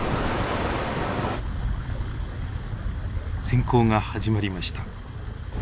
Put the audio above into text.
潜行が始まりました。